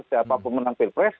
siapa pemenang pilpres